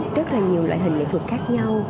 dùng loại hình nghệ thuật khác nhau